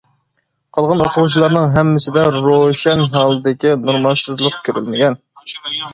قالغان ئوقۇغۇچىلارنىڭ ھەممىسىدە روشەن ھالدىكى نورمالسىزلىق كۆرۈلمىگەن.